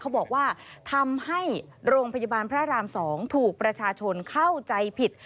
บอกว่าทำให้โรงพยาบาลพระราม๒ถูกประชาชนเข้าใจผิด